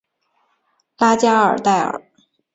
拉加尔代尔。